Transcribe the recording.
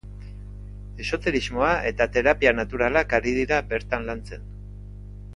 Esoterismoa eta terapia naturalak ari dira bertan lantzen.